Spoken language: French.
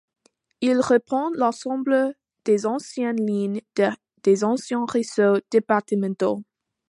Il reprend l'ensemble des anciennes lignes des anciens réseaux départementaux.